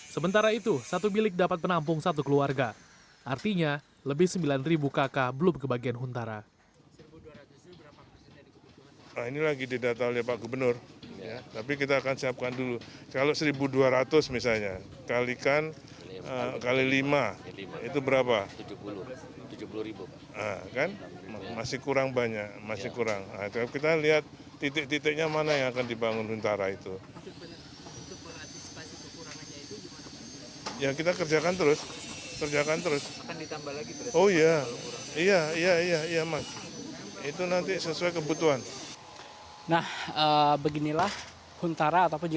sementara itu satu bilik dapat penampung satu keluarga artinya lebih sembilan kakak belum kebagian huntara